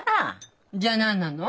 じゃあ何なの？